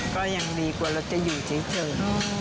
ก็ยังดีกว่าเราจะอยู่เฉย